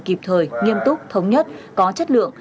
kịp thời nghiêm túc thống nhất có chất lượng